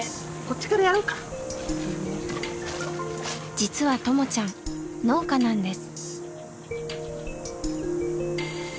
実はともちゃん農家なんです。